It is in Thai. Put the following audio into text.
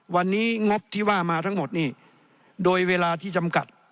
วันนี้งบที่ว่ามาทั้งหมดนี่โดยเวลาที่จำกัด